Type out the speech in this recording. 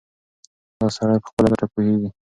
دا سړی په خپله ګټه پوهېږي.